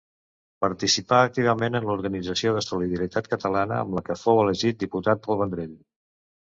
Participà activament en l'organització de Solidaritat Catalana, amb la que fou elegit diputat pel Vendrell.